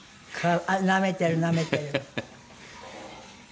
なめてるなめてる。